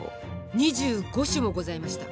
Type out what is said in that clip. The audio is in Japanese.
２５種もございました。